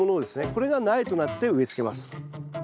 これが苗となって植え付けます。